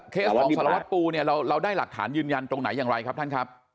ของสารวัตรปูเนี่ยเราได้หลักฐานยืนยันตรงไหนอย่างไรครับท่านครับ